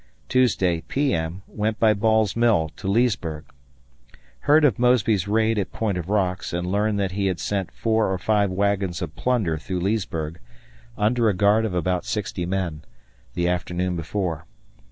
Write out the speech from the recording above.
Tuesday, P.M., went by Ball's Mill to Leesburg. Heard of Mosby's raid at Point of Rocks, and learned that he had sent four or five wagons of plunder through Leesburg, under a guard of about 60 men, the afternoon before.